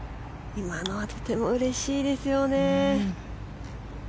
今のはとてもうれしいですよね。